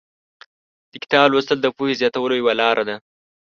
د کتاب لوستل د پوهې زیاتولو یوه لاره ده.